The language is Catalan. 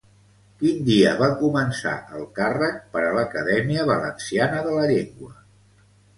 Quin dia va començar el càrrec per a l'Acadèmia Valenciana de la Llengua?